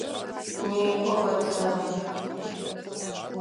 Некӏо бэдзэрым!